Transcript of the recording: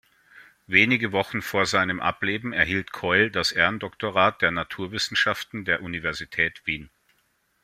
Wenige Wochen vor seinem Ableben erhielt Keul das Ehrendoktorat der Naturwissenschaften der Universität Wien.